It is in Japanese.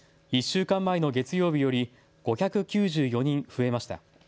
１週間前の月曜日より５９４人増えました。